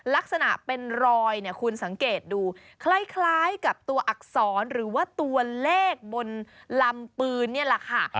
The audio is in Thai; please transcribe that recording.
ลักษณะเป็นรอยเนี่ยคุณสังเกตดูคล้ายกับตัวอักษรหรือว่าตัวเลขบนลำปืนนี่แหละค่ะ